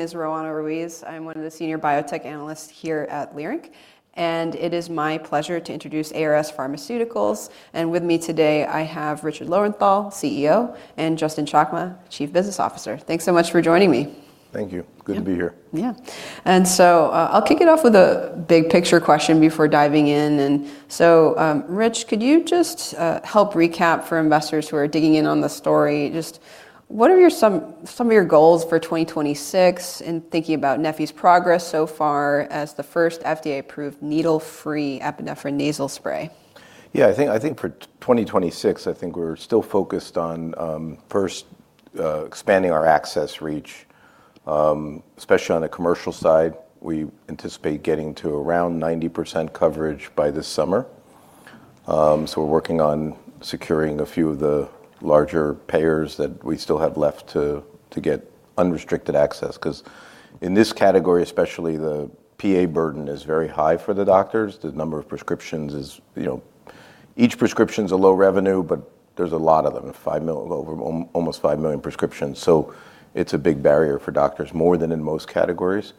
My name is Roanna Ruiz. I'm one of the senior biotech analysts here at Leerink, and it is my pleasure to introduce ARS Pharmaceuticals. With me today, I have Richard Lowenthal, CEO, and Justin Chakma, Chief Business Officer. Thanks so much for joining me. Thank you. Yep. Good to be here. Yeah. I'll kick it off with a big picture question before diving in. Rich, could you just help recap for investors who are digging in on the story, just what are some of your goals for 2026 and thinking about neffy's progress so far as the first FDA-approved needle-free epinephrine nasal spray? Yeah, I think for 2026, I think we're still focused on first expanding our access reach, especially on the commercial side. We anticipate getting to around 90% coverage by this summer. We're working on securing a few of the larger payers that we still have left to get unrestricted access, 'cause in this category, especially the PA burden is very high for the doctors. The number of prescriptions is, you know, each prescription's a low revenue, but there's a lot of them, almost 5 million prescriptions. It's a big barrier for doctors, more than in most categories.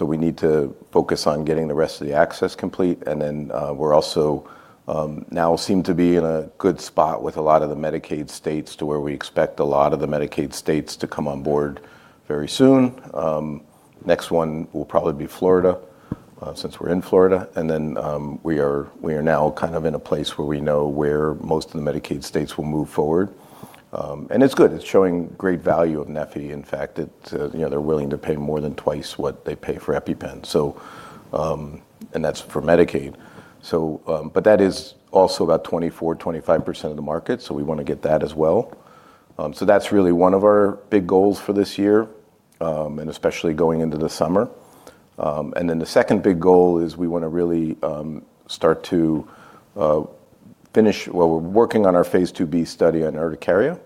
We need to focus on getting the rest of the access complete. We're also now seem to be in a good spot with a lot of the Medicaid states to where we expect a lot of the Medicaid states to come on board very soon. Next one will probably be Florida, since we're in Florida. We are now kind of in a place where we know where most of the Medicaid states will move forward. It's good. It's showing great value of neffy. In fact, you know, they're willing to pay more than twice what they pay for EpiPen, so and that's for Medicaid. But that is also about 24%-25% of the market, so we wanna get that as well. That's really one of our big goals for this year, and especially going into the summer. The second big goal is we're working on our Phase 2b study on urticaria,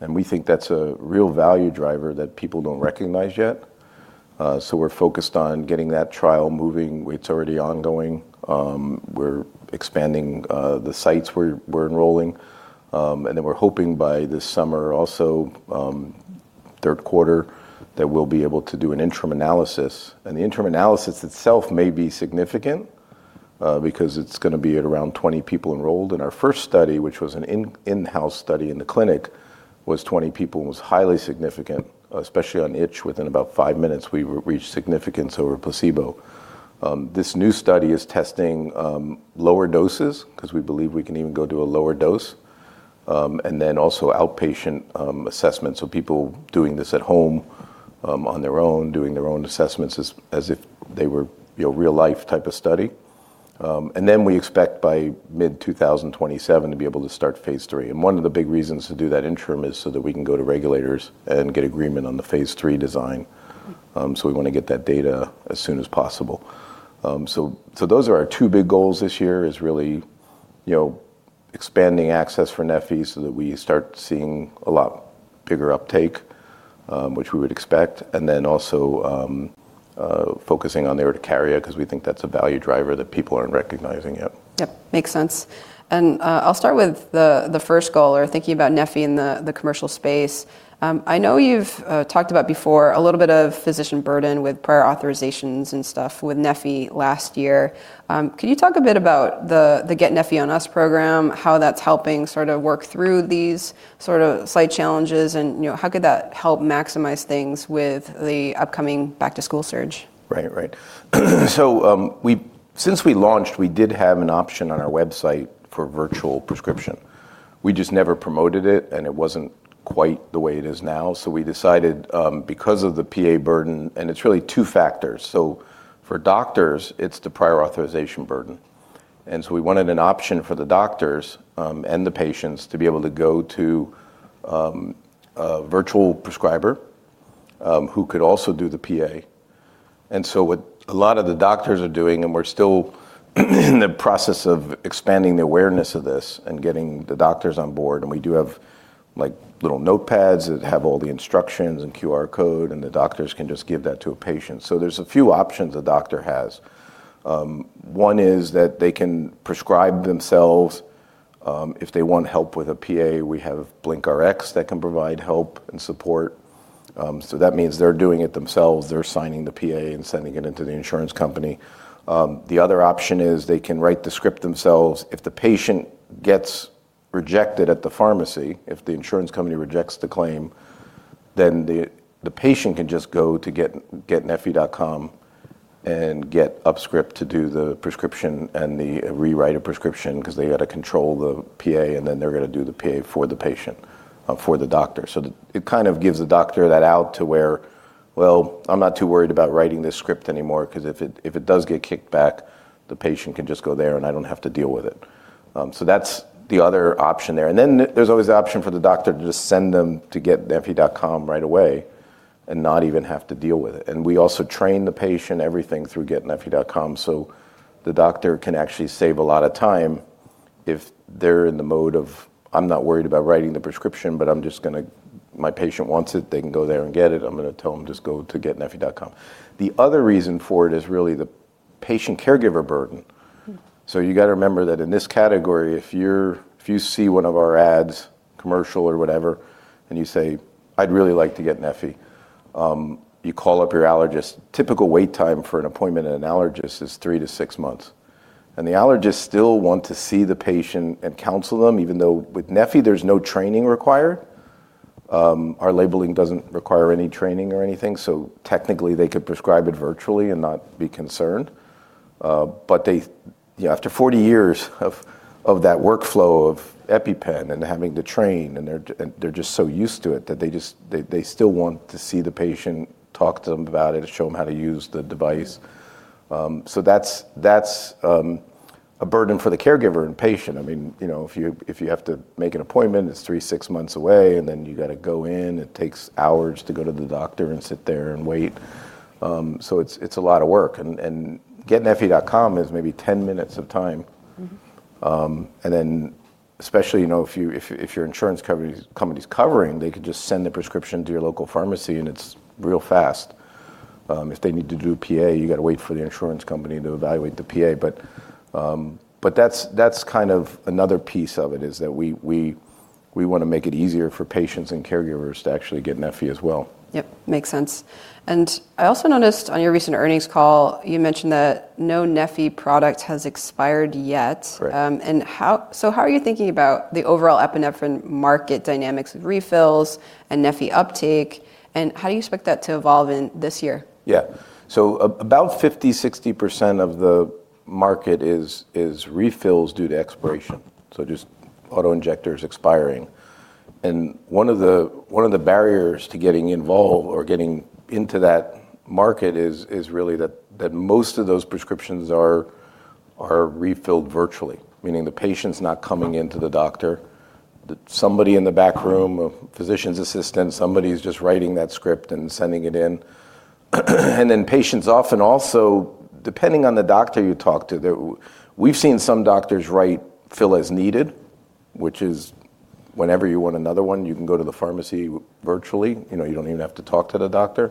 and we think that's a real value driver that people don't recognize yet. We're focused on getting that trial moving. It's already ongoing. We're expanding the sites we're enrolling. We're hoping by this summer, also third quarter, that we'll be able to do an interim analysis, and the interim analysis itself may be significant, because it's gonna be at around 20 people enrolled. In our first study, which was an in-house study in the clinic, was 20 people, and it was highly significant, especially on itch. Within about 5 minutes, we reached significance over placebo. This new study is testing lower doses 'cause we believe we can even go to a lower dose, and then also outpatient assessments of people doing this at home, on their own, doing their own assessments as if they were, you know, real life type of study. We expect by mid-2027 to be able to start Phase 3, and one of the big reasons to do that interim is so that we can go to regulators and get agreement on the Phase 3 design. We wanna get that data as soon as possible. Those are our two big goals this year, is really, you know, expanding access for neffy so that we start seeing a lot bigger uptake, which we would expect, and then also, focusing on the urticaria 'cause we think that's a value driver that people aren't recognizing yet. Yep, makes sense. I'll start with the first goal or thinking about neffy in the commercial space. I know you've talked about before a little bit of physician burden with prior authorizations and stuff with neffy last year. Could you talk a bit about the Get neffy on Us program, how that's helping sort of work through these sort of slight challenges and, you know, how could that help maximize things with the upcoming back to school surge? Since we launched, we did have an option on our website for virtual prescription. We just never promoted it, and it wasn't quite the way it is now. We decided, because of the PA burden, and it's really two factors. For doctors, it's the prior authorization burden. We wanted an option for the doctors, and the patients to be able to go to a virtual prescriber, who could also do the PA. What a lot of the doctors are doing, and we're still in the process of expanding the awareness of this and getting the doctors on board, and we do have, like, little notepads that have all the instructions and QR code, and the doctors can just give that to a patient. There's a few options a doctor has. One is that they can prescribe themselves. If they want help with a PA, we have BlinkRx that can provide help and support. That means they're doing it themselves. They're signing the PA and sending it into the insurance company. The other option is they can write the script themselves. If the patient gets rejected at the pharmacy, if the insurance company rejects the claim, then the patient can just go to Getneffy.com and get UpScript to do the prescription and rewrite a prescription 'cause they gotta control the PA and then they're gonna do the PA for the patient, for the doctor. It kind of gives the doctor that out to where, "Well, I'm not too worried about writing this script anymore, 'cause if it does get kicked back, the patient can just go there, and I don't have to deal with it." That's the other option there. Then there's always the option for the doctor to just send them to Getneffy.com right away and not even have to deal with it. We also train the patient everything through Getneffy.com so the doctor can actually save a lot of time if they're in the mode of, "I'm not worried about writing the prescription, but my patient wants it. They can go there and get it. I'm gonna tell them just go to Getneffy.com." The other reason for it is really the patient caregiver burden. Mm-hmm. You got to remember that in this category, if you see one of our ads, commercial or whatever, and you say, "I'd really like to get neffy," you call up your allergist, typical wait time for an appointment at an allergist is 3-6 months. The allergists still want to see the patient and counsel them, even though with neffy there's no training required. Our labeling doesn't require any training or anything, so technically they could prescribe it virtually and not be concerned. You know, after 40 years of that workflow of EpiPen and having to train, and they're just so used to it that they still want to see the patient, talk to them about it, and show them how to use the device. That's a burden for the caregiver and patient. I mean, you know, if you have to make an appointment, it's 3-6 months away, and then you got to go in, it takes hours to go to the doctor and sit there and wait. It's a lot of work. Getneffy.com is maybe 10 minutes of time. Mm-hmm. Especially, you know, if your insurance company's covering, they can just send the prescription to your local pharmacy and it's real fast. If they need to do a PA, you got to wait for the insurance company to evaluate the PA. That's kind of another piece of it is that we wanna make it easier for patients and caregivers to actually get neffy as well. Yep. Makes sense. I also noticed on your recent earnings call, you mentioned that no neffy product has expired yet. Correct. How are you thinking about the overall epinephrine market dynamics of refills and neffy uptake, and how do you expect that to evolve in this year? About 50-60% of the market is refills due to expiration, just auto-injectors expiring. One of the barriers to getting involved or getting into that market is really that most of those prescriptions are refilled virtually, meaning the patient's not coming into the doctor. Somebody in the back room, a physician's assistant, somebody's just writing that script and sending it in. Patients often also, depending on the doctor you talk to, we've seen some doctors write, "Fill as needed," which is whenever you want another one, you can go to the pharmacy virtually, you know, you don't even have to talk to the doctor.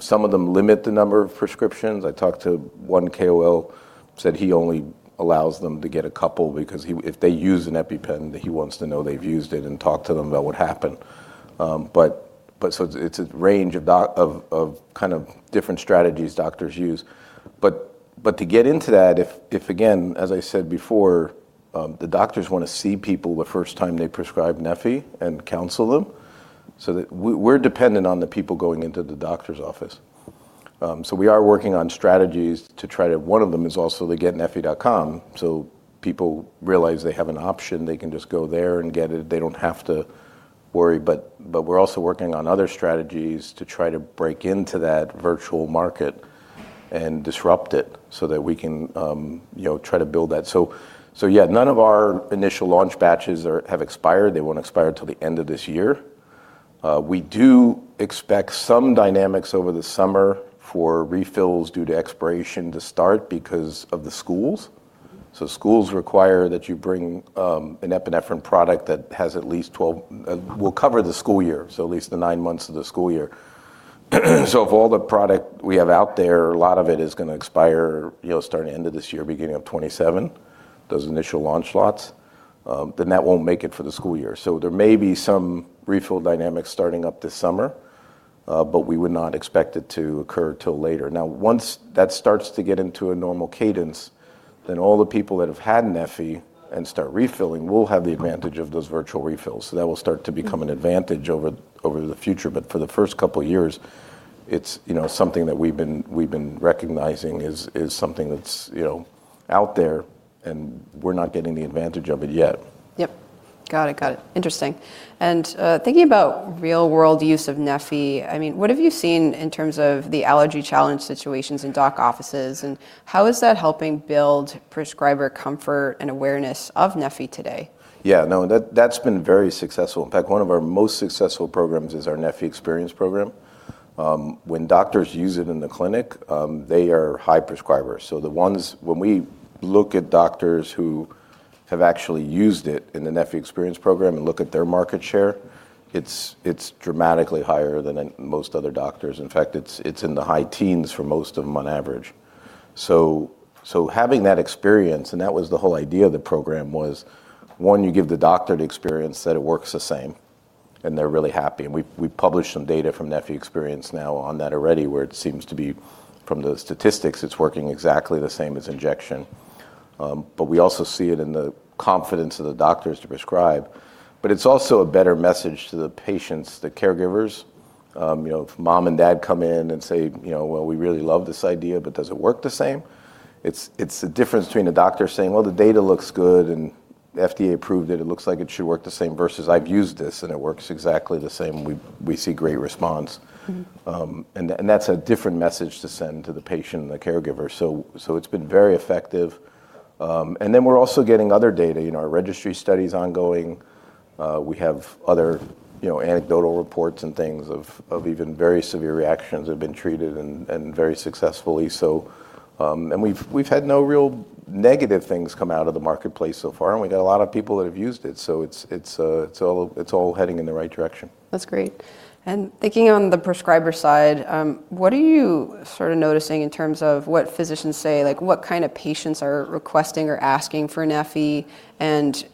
Some of them limit the number of prescriptions. I talked to one KOL who said he only allows them to get a couple because if they use an EpiPen, he wants to know they've used it and talk to them about what happened. It's a range of kind of different strategies doctors use. To get into that, if again, as I said before, the doctors wanna see people the first time they prescribe neffy and counsel them, so that we're dependent on the people going into the doctor's office. We are working on strategies to try to. One of them is also the Getneffy.com, so people realize they have an option, they can just go there and get it. They don't have to worry, but we're also working on other strategies to try to break into that virtual market and disrupt it so that we can, you know, try to build that. Yeah, none of our initial launch batches have expired. They won't expire till the end of this year. We do expect some dynamics over the summer for refills due to expiration to start because of the schools. Schools require that you bring an epinephrine product that will cover the school year, so at least the nine months of the school year. Of all the product we have out there, a lot of it is gonna expire, you know, starting end of this year, beginning of 2027. Those initial launch lots, then that won't make it for the school year. There may be some refill dynamics starting up this summer, but we would not expect it to occur till later. Now, once that starts to get into a normal cadence, then all the people that have had neffy and start refilling will have the advantage of those virtual refills. That will start to become an advantage over the future. For the first couple of years, it's, you know, something that we've been recognizing is something that's, you know, out there, and we're not getting the advantage of it yet. Yep. Got it. Interesting. Thinking about real-world use of neffy, I mean, what have you seen in terms of the allergy challenge situations in doc offices, and how is that helping build prescriber comfort and awareness of neffy today? Yeah, no, that's been very successful. In fact, one of our most successful programs is our neffy Experience program. When doctors use it in the clinic, they are high prescribers. The ones, when we look at doctors who have actually used it in the neffy Experience program and look at their market share, it's dramatically higher than in most other doctors. In fact, it's in the high teens for most of them on average. Having that experience, and that was the whole idea of the program, was one, you give the doctor the experience that it works the same, and they're really happy. We published some data from neffy Experience now on that already, where it seems to be, from the statistics, it's working exactly the same as injection. We also see it in the confidence of the doctors to prescribe. It's also a better message to the patients, the caregivers. You know, if mom and dad come in and say, "You know, well, we really love this idea, but does it work the same?" It's the difference between a doctor saying, "Well, the data looks good, and the FDA approved it. It looks like it should work the same," versus, "I've used this, and it works exactly the same. We see great response. Mm-hmm. That's a different message to send to the patient and the caregiver. It's been very effective. Then we're also getting other data. You know, our registry study's ongoing. We have other, you know, anecdotal reports and things of even very severe reactions that have been treated and very successfully. We've had no real negative things come out of the marketplace so far, and we got a lot of people that have used it, so it's all heading in the right direction. That's great. Thinking on the prescriber side, what are you sort of noticing in terms of what physicians say? Like, what kind of patients are requesting or asking for neffy, and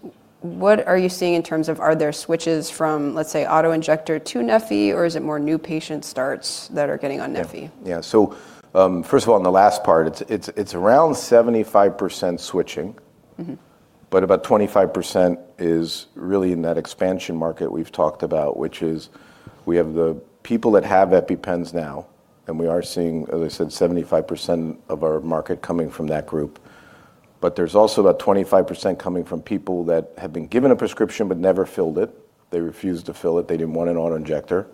what are you seeing in terms of are there switches from, let's say, auto-injector to neffy, or is it more new patient starts that are getting on neffy? First of all, on the last part, it's around 75% switching. Mm-hmm. About 25% is really in that expansion market we've talked about, which is we have the people that have EpiPens now, and we are seeing, as I said, 75% of our market coming from that group. There's also about 25% coming from people that have been given a prescription but never filled it. They refused to fill it. They didn't want an auto-injector.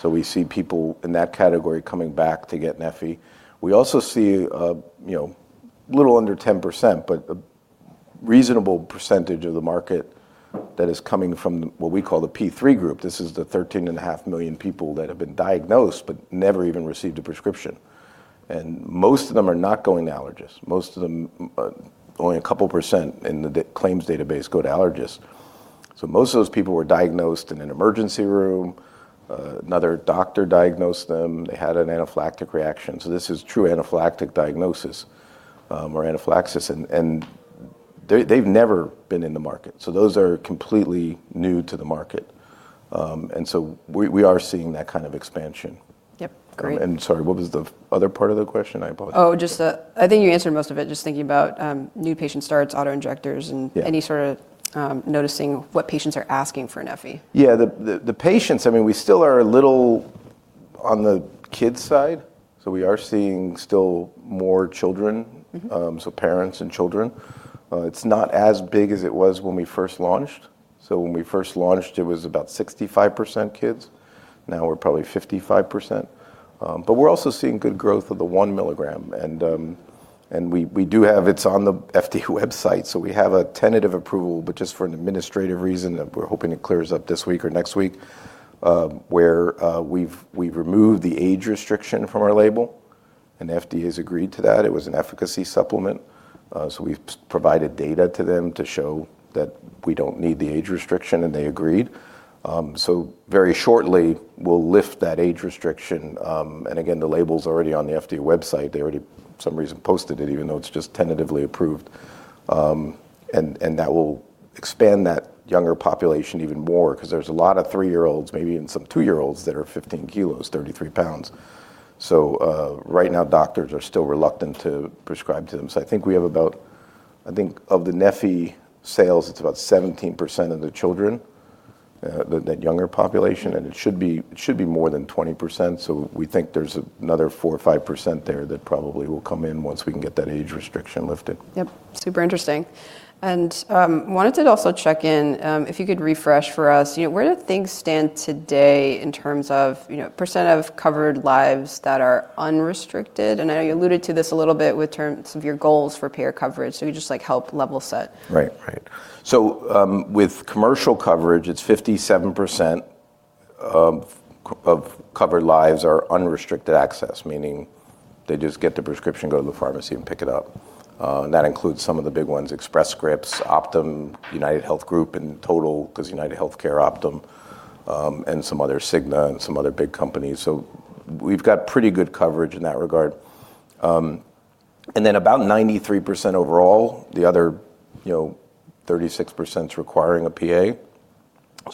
So we see people in that category coming back to get neffy. We also see a little under 10%, but a reasonable percentage of the market that is coming from what we call the P3 group. This is the 13.5 million people that have been diagnosed but never even received a prescription. Most of them are not going to allergists. Most of them only a couple% in the claims database go to allergists. Most of those people were diagnosed in an emergency room. Another doctor diagnosed them. They had an anaphylactic reaction. This is true anaphylactic diagnosis, or anaphylaxis and they've never been in the market. Those are completely new to the market. We are seeing that kind of expansion. Yep. Great. Sorry, what was the other part of the question? I apologize. Oh, just, I think you answered most of it. Just thinking about, new patient starts, auto-injectors, and- Yeah... any sort of noticing what patients are asking for neffy. Yeah, the patients, I mean, we still are a little on the kids side, so we are seeing still more children. Mm-hmm. Parents and children. It's not as big as it was when we first launched. When we first launched, it was about 65% kids. Now we're probably 55%. But we're also seeing good growth of the 1 milligram, and we do have it; it's on the FDA website, so we have a tentative approval, but just for an administrative reason that we're hoping it clears up this week or next week, where we've removed the age restriction from our label, and FDA has agreed to that. It was an efficacy supplement. We've provided data to them to show that we don't need the age restriction, and they agreed. Very shortly we'll lift that age restriction. Again, the label's already on the FDA website. They already for some reason posted it even though it's just tentatively approved. That will expand that younger population even more, 'cause there's a lot of three-year-olds, maybe even some two-year-olds, that are 15 kilos, 33 pounds. Right now, doctors are still reluctant to prescribe to them. I think we have about of the neffy sales, it's about 17% of the children, that younger population, and it should be more than 20%, so we think there's another 4 or 5% there that probably will come in once we can get that age restriction lifted. Yep. Super interesting. Wanted to also check in, if you could refresh for us, you know, where do things stand today in terms of, you know, percent of covered lives that are unrestricted? I know you alluded to this a little bit in terms of your goals for payer coverage, so just like help level set. Right. With commercial coverage, it's 57% of covered lives are unrestricted access, meaning they just get the prescription, go to the pharmacy and pick it up. And that includes some of the big ones, Express Scripts, Optum, UnitedHealth Group in total, 'cause UnitedHealthcare, Optum, and some other, Cigna, and some other big companies. We've got pretty good coverage in that regard. And then about 93% overall, the other, you know, 36% requiring a PA.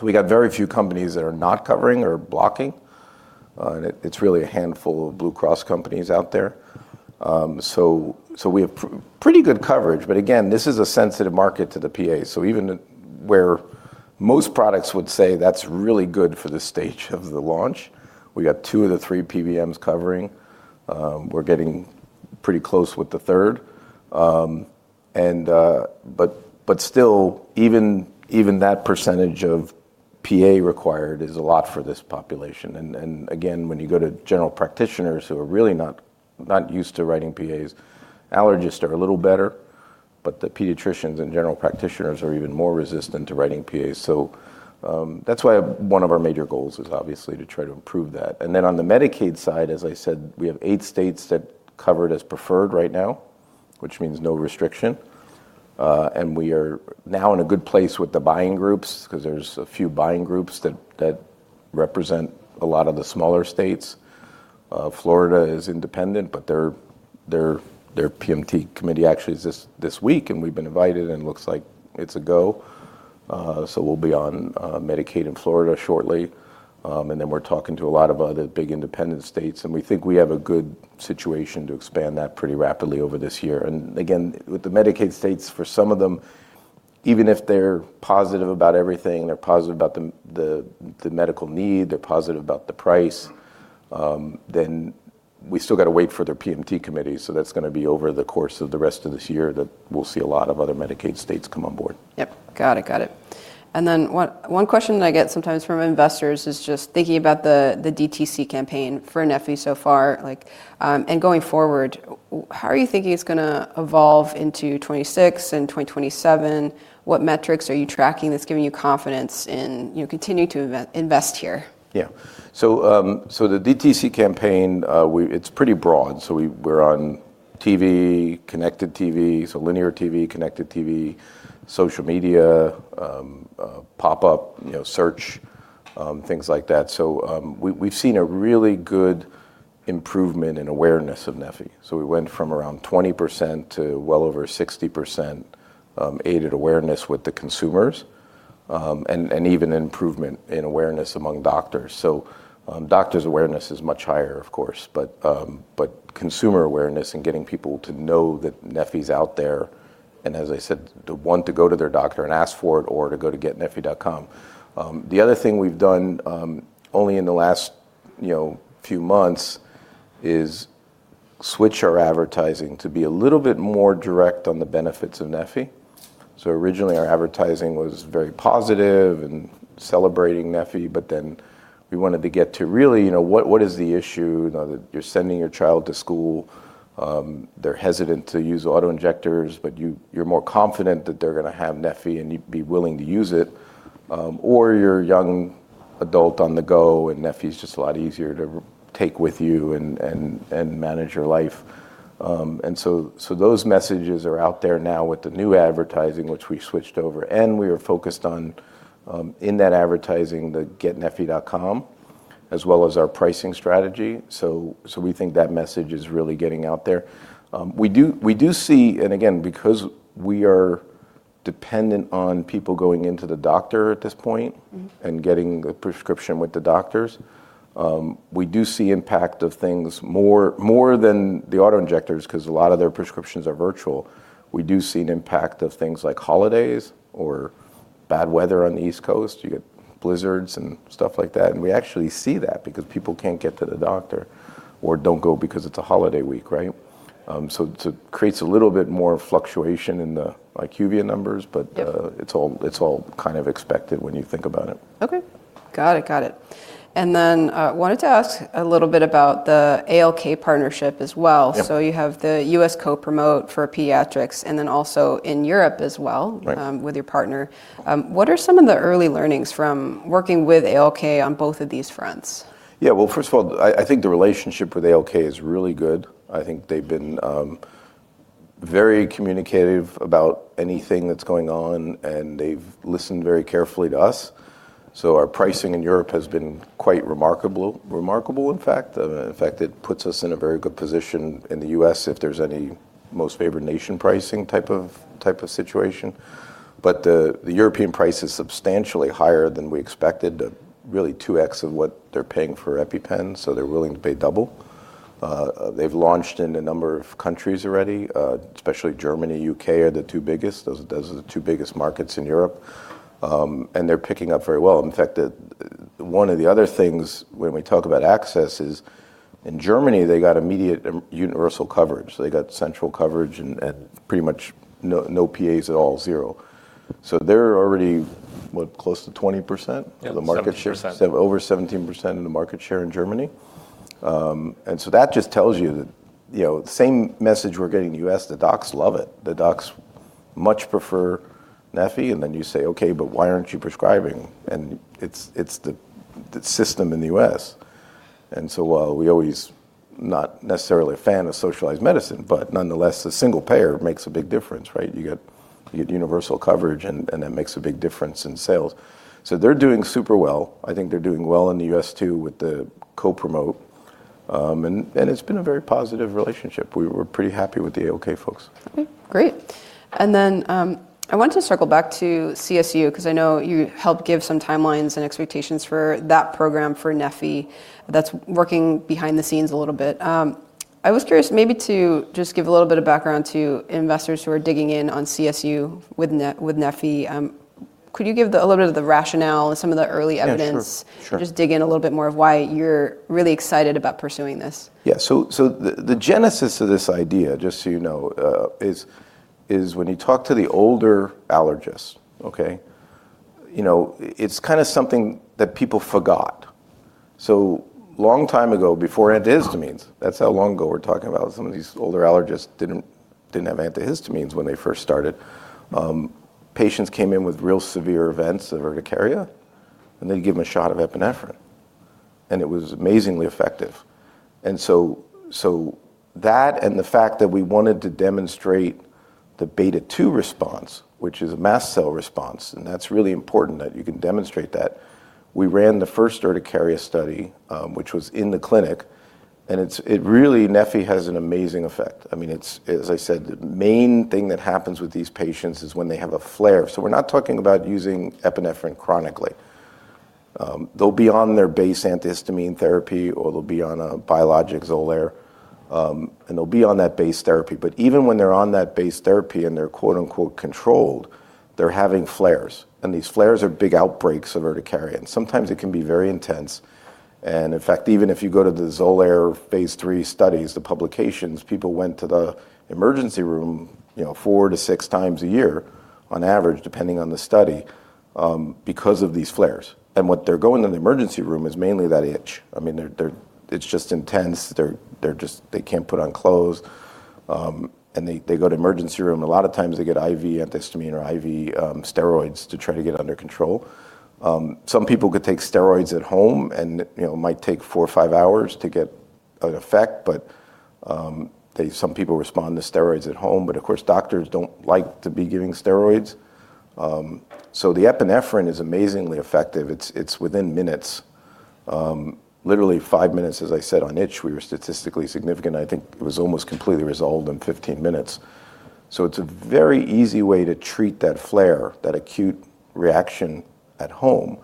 We got very few companies that are not covering or blocking, and it's really a handful of Blue Cross companies out there. We have pretty good coverage. Again, this is a sensitive market to the PA. Even where most products would say that's really good for the stage of the launch, we got two of the three PBMs covering. We're getting pretty close with the third. Still, even that percentage of PA required is a lot for this population. Again, when you go to general practitioners who are really not used to writing PAs, allergists are a little better, but the pediatricians and general practitioners are even more resistant to writing PAs. That's why one of our major goals is obviously to try to improve that. Then on the Medicaid side, as I said, we have eight states that cover it as preferred right now, which means no restriction. We are now in a good place with the buying groups, 'cause there's a few buying groups that represent a lot of the smaller states. Florida is independent, but their P&T committee actually is this week, and we've been invited and looks like it's a go. We'll be on Medicaid in Florida shortly. We're talking to a lot of other big independent states, and we think we have a good situation to expand that pretty rapidly over this year. Again, with the Medicaid states, for some of them, even if they're positive about everything, they're positive about the medical need, they're positive about the price. We still got to wait for their P&T committee, so that's going to be over the course of the rest of this year that we'll see a lot of other Medicaid states come on board. Yep. Got it. One question I get sometimes from investors is just thinking about the DTC campaign for neffy so far, like, and going forward, how are you thinking it's gonna evolve into 2026 and then 2027? What metrics are you tracking that's giving you confidence in, you know, continuing to invest here? Yeah. The DTC campaign, it's pretty broad. We're on TV, connected TV, linear TV, connected TV, social media, pop-up, you know, search, things like that. We've seen a really good improvement in awareness of neffy. We went from around 20% to well over 60%, aided awareness with the consumers, and even improvement in awareness among doctors. Doctors' awareness is much higher, of course, but consumer awareness and getting people to know that neffy's out there, and as I said, to want to go to their doctor and ask for it or to go to Getneffy.com. The other thing we've done, only in the last few months is switch our advertising to be a little bit more direct on the benefits of neffy. Originally our advertising was very positive and celebrating neffy, but then we wanted to get to really, you know, what is the issue? You know, that you're sending your child to school, they're hesitant to use auto-injectors, but you're more confident that they're gonna have neffy and you'd be willing to use it. Or you're a young adult on the go and neffy's just a lot easier to take with you and manage your life. And so those messages are out there now with the new advertising which we switched over, and we are focused on, in that advertising the Getneffy.com as well as our pricing strategy. We think that message is really getting out there. We do see. Again, because we are dependent on people going to the doctor at this point. Mm-hmm getting a prescription with the doctors, we do see impact of things more than the auto-injectors because a lot of their prescriptions are virtual. We do see an impact of things like holidays or bad weather on the East Coast. You get blizzards and stuff like that, and we actually see that because people can't get to the doctor or don't go because it's a holiday week, right? So creates a little bit more fluctuation in the IQVIA numbers, but- Yeah It's all kind of expected when you think about it. Okay. Got it. Wanted to ask a little bit about the ALK partnership as well. Yep. You have the U.S. co-promote for Pediatrix and then also in Europe as well. Right... with your partner. What are some of the early learnings from working with ALK on both of these fronts? Yeah. Well, first of all, I think the relationship with ALK-Abelló is really good. I think they've been very communicative about anything that's going on, and they've listened very carefully to us. Our pricing in Europe has been quite remarkable, in fact. In fact, it puts us in a very good position in the U.S. if there's any most favored nation pricing type of situation. The European price is substantially higher than we expected, really 2x of what they're paying for EpiPen, so they're willing to pay double. They've launched in a number of countries already, especially Germany, U.K. are the two biggest. Those are the two biggest markets in Europe. They're picking up very well. In fact, one of the other things when we talk about access is in Germany, they got immediate universal coverage. They got central coverage and pretty much no PAs at all, zero. They're already, what, close to 20% of the market share? Yeah, 17%. Over 17% of the market share in Germany. That just tells you that, you know, same message we're getting in the U.S., the docs love it. The docs much prefer neffy, and then you say, "Okay, but why aren't you prescribing?" It's the system in the U.S. While we're always not necessarily a fan of socialized medicine, but nonetheless, a single payer makes a big difference, right? You get universal coverage, and that makes a big difference in sales. They're doing super well. I think they're doing well in the U.S. too with the co-promote. It's been a very positive relationship. We're pretty happy with the ALK folks. Okay. Great. I want to circle back to CSU because I know you helped give some timelines and expectations for that program for neffy that's working behind the scenes a little bit. I was curious maybe to just give a little bit of background to investors who are digging in on CSU with neffy. Could you give a little bit of the rationale and some of the early evidence. Yeah, sure. Sure. Just dig in a little bit more on why you're really excited about pursuing this? Yeah. The genesis of this idea, just so you know, is when you talk to the older allergists, okay, you know, it's kind of something that people forgot. Long time ago, before antihistamines, that's how long ago we're talking about. Some of these older allergists didn't have antihistamines when they first started. Patients came in with real severe events of urticaria, and they'd give them a shot of epinephrine, and it was amazingly effective. That and the fact that we wanted to demonstrate the beta-2 response, which is a mast cell response, and that's really important that you can demonstrate that. We ran the first urticaria study, which was in the clinic, and it really, neffy has an amazing effect. I mean, it's as I said, the main thing that happens with these patients is when they have a flare. We're not talking about using epinephrine chronically. They'll be on their base antihistamine therapy, or they'll be on a biologic Xolair, and they'll be on that base therapy. Even when they're on that base therapy and they're quote unquote controlled, they're having flares, and these flares are big outbreaks of urticaria, and sometimes it can be very intense. In fact, even if you go to the Xolair phase 3 studies, the publications, people went to the emergency room, you know, 4-6 times a year on average, depending on the study, because of these flares. What they're going to the emergency room for is mainly that itch. I mean, they're it's just intense. They're just They can't put on clothes, they go to emergency room. A lot of times they get IV antihistamine or IV steroids to try to get it under control. Some people could take steroids at home and, you know, it might take 4 or 5 hours to get an effect, but some people respond to steroids at home. Of course, doctors don't like to be giving steroids. The epinephrine is amazingly effective. It's within minutes. Literally 5 minutes, as I said, on itch, we were statistically significant. I think it was almost completely resolved in 15 minutes. It's a very easy way to treat that flare, that acute reaction at home,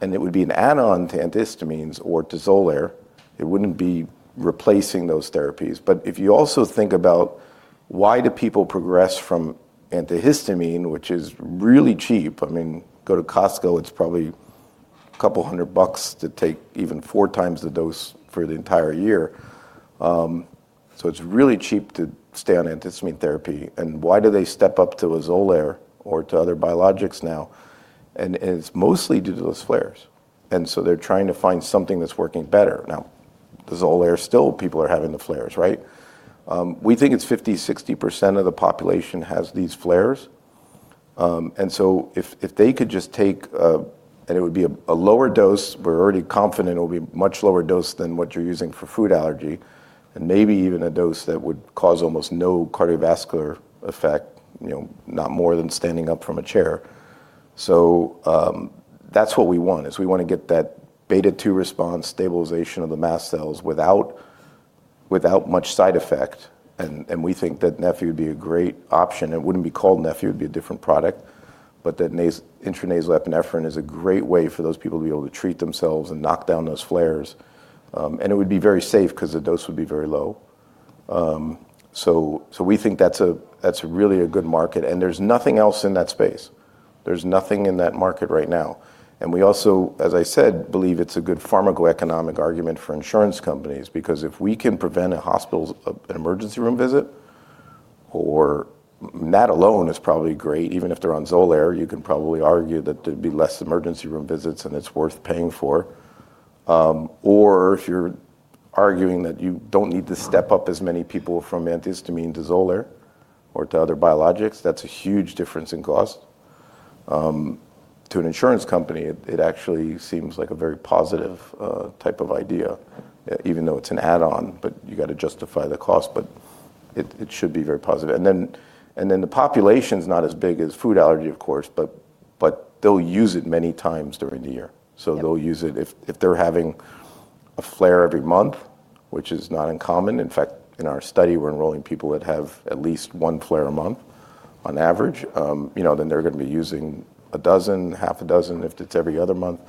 and it would be an add-on to antihistamines or to Xolair. It wouldn't be replacing those therapies. If you also think about why do people progress from antihistamine, which is really cheap. I mean, go to Costco, it's probably $200 to take even 4 times the dose for the entire year. It's really cheap to stay on antihistamine therapy. Why do they step up to a Xolair or to other biologics now? It's mostly due to those flares. They're trying to find something that's working better. Now, the Xolair still people are having the flares, right? We think it's 50%-60% of the population has these flares. If they could just take a lower dose, we're already confident it will be much lower dose than what you're using for food allergy, and maybe even a dose that would cause almost no cardiovascular effect, you know, not more than standing up from a chair. That's what we want, is we wanna get that beta-2 response stabilization of the mast cells without much side effect. We think that neffy would be a great option. It wouldn't be called neffy, it would be a different product, but that intranasal epinephrine is a great way for those people to be able to treat themselves and knock down those flares, and it would be very safe 'cause the dose would be very low. So we think that's really a good market, and there's nothing else in that space. There's nothing in that market right now. We also, as I said, believe it's a good pharmacoeconomic argument for insurance companies, because if we can prevent an emergency room visit. That alone is probably great. Even if they're on Xolair, you can probably argue that there'd be less emergency room visits and it's worth paying for. Or if you're arguing that you don't need to step up as many people from antihistamine to Xolair or to other biologics, that's a huge difference in cost. To an insurance company, it actually seems like a very positive type of idea, even though it's an add-on, but you gotta justify the cost. It should be very positive. The population's not as big as food allergy, of course, but they'll use it many times during the year. Yep. They'll use it if they're having a flare every month, which is not uncommon. In fact, in our study, we're enrolling people that have at least one flare a month on average. You know, then they're gonna be using a dozen, half a dozen if it's every other month.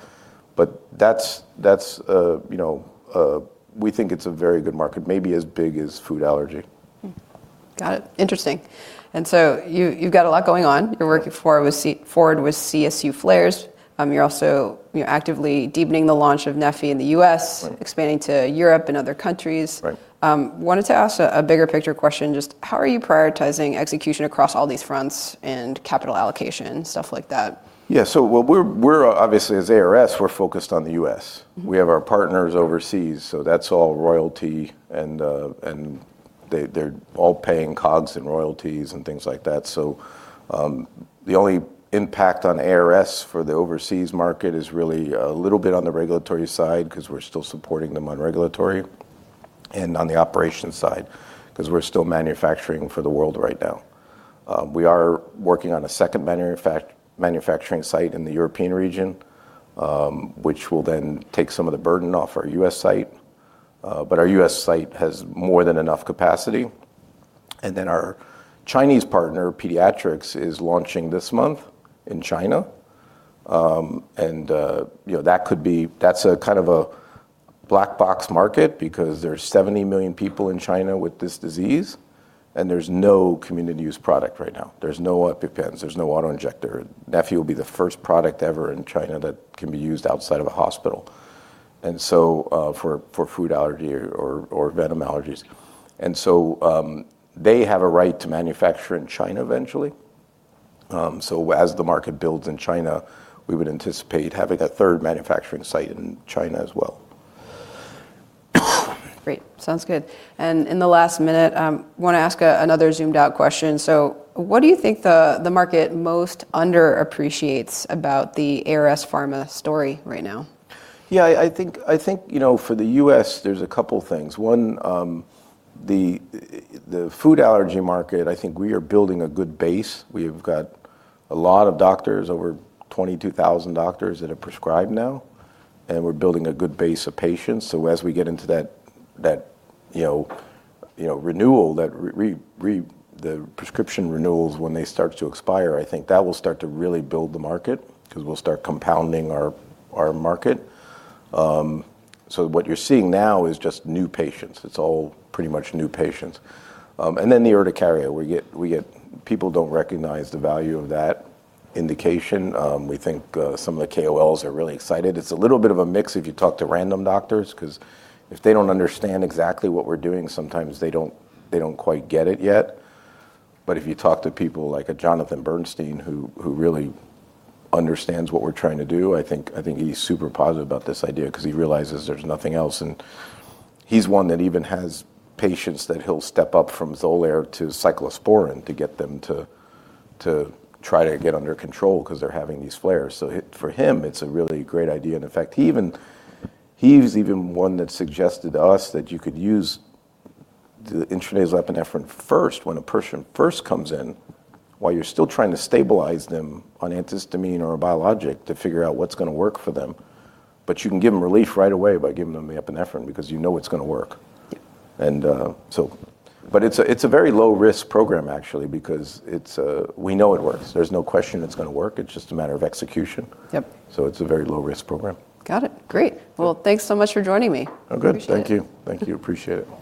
That's, you know, we think it's a very good market, maybe as big as food allergy. Got it. Interesting. You’ve got a lot going on. Yeah. You're working forward with CSU flares. You're also actively deepening the launch of neffy in the US. Right expanding to Europe and other countries. Right. Wanted to ask a bigger picture question. Just how are you prioritizing execution across all these fronts and capital allocation and stuff like that? We're obviously, as ARS, we're focused on the U.S. Mm-hmm. We have our partners overseas, so that's all royalty and they're all paying COGS and royalties and things like that. The only impact on ARS for the overseas market is really a little bit on the regulatory side 'cause we're still supporting them on regulatory and on the operations side 'cause we're still manufacturing for the world right now. We are working on a second manufacturing site in the European region, which will then take some of the burden off our US site. Our US site has more than enough capacity. Our Chinese partner, Pediatrix, is launching this month in China. You know, that's a kind of a black box market because there's 70 million people in China with this disease, and there's no community use product right now. There's no EpiPens. There's no auto-injector. neffy will be the first product ever in China that can be used outside of a hospital. For food allergy or venom allergies. They have a right to manufacture in China eventually. As the market builds in China, we would anticipate having a third manufacturing site in China as well. Great. Sounds good. In the last minute, wanna ask another zoomed out question. What do you think the market most underappreciates about the ARS Pharma story right now? Yeah, I think, you know, for the US, there's a couple things. One, the food allergy market, I think we are building a good base. We've got a lot of doctors, over 22,000 doctors that have prescribed now, and we're building a good base of patients. So as we get into that, you know, renewal, the prescription renewals, when they start to expire, I think that will start to really build the market 'cause we'll start compounding our market. So what you're seeing now is just new patients. It's all pretty much new patients. And then the urticaria. People don't recognize the value of that indication. We think some of the KOLs are really excited. It's a little bit of a mix if you talk to random doctors, 'cause if they don't understand exactly what we're doing, sometimes they don't quite get it yet. If you talk to people like Jonathan Bernstein, who really understands what we're trying to do, I think he's super positive about this idea 'cause he realizes there's nothing else. He's one that even has patients that he'll step up from Xolair to cyclosporine to get them to try to get under control 'cause they're having these flares. It for him, it's a really great idea. In fact, he's even one that suggested to us that you could use the intranasal epinephrine first when a person first comes in while you're still trying to stabilize them on antihistamine or a biologic to figure out what's gonna work for them, but you can give them relief right away by giving them the epinephrine because you know it's gonna work. Yep. It's a very low risk program, actually, because we know it works. There's no question it's gonna work. It's just a matter of execution. Yep. It's a very low risk program. Got it. Great. Well, thanks so much for joining me. Oh, good. Appreciate it. Thank you. Thank you. Appreciate it.